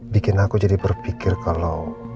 bikin aku jadi berpikir kalau